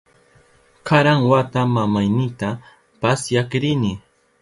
Karan wata mamaynita pasyak rini.